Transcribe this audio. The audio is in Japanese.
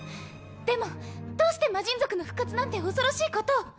でもどうして魔神族の復活なんて恐ろしいことを！